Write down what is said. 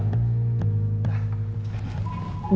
lo mau kemana